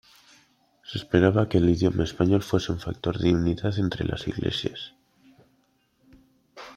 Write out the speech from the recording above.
Se esperaba que el idioma español fuese un factor de unidad entre las iglesias.